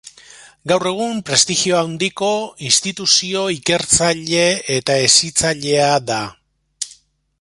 Gaur egun prestigio handiko instituzio ikertzaile eta hezitzailea da.